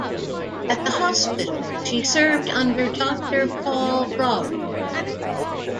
At the hospital she served under Doctor Paul Grauwin.